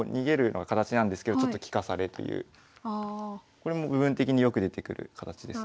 これも部分的によく出てくる形ですね。